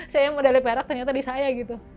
saya yang medali perak ternyata di saya gitu